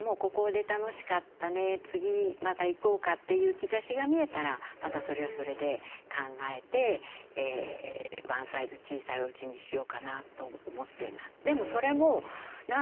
次またいこうか」という兆しが見えたらまたそれはそれで考えてワンサイズ小さいおうちにしようかなと思っています。